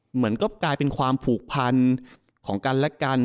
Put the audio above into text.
เหมือนก็กลายเป็นความผูกพันของกันและกัน